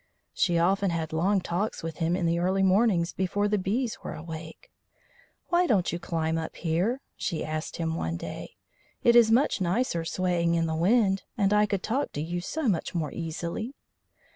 She often had long talks with him in the early mornings before the bees were awake. "Why don't you climb up here?" she asked him one day. "It is much nicer swaying in the wind, and I could talk to you so much more easily."